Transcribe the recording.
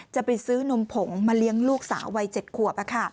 จะไปซื้อนมผงมาเลี้ยงลูกสาววัย๗ขวบ